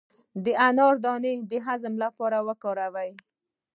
د انار دانه د هضم لپاره وکاروئ